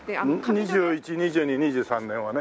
２１２２２３年はね。